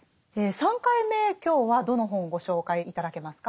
３回目今日はどの本をご紹介頂けますか？